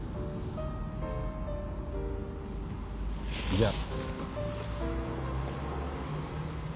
じゃあ。